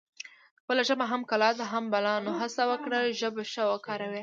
خپله ژبه هم کلا ده هم بلا نو هسه وکړی ژبه ښه وکاروي